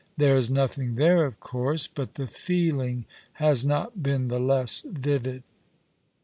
There is nothing there, of course ; but the feeling has not been the less vivid.